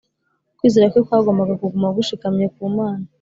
kwizera kwe kwagombaga kuguma gushikamye ku mana